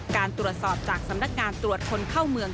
การตรวจสอบจากสำนักงานตรวจคนเข้าเมือง